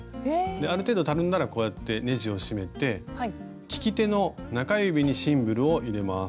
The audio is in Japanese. ある程度たるんだらこうやってねじを締めて利き手の中指にシンブルを入れます。